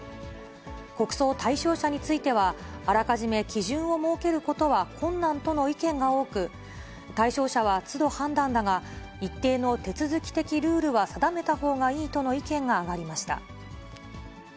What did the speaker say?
国葬対象者については、あらかじめ基準を設けることは困難との意見が多く、対象者はつど判断だが、一定の手続き的ルールは定めたほうがいいとの意見が上がりました。